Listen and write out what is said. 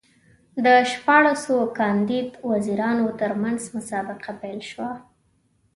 د شپاړسو کاندید وزیرانو ترمنځ مسابقه پیل شوه.